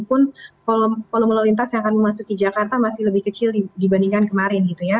pun polom lintas yang akan memasuki jakarta masih lebih kecil dibandingkan kemarin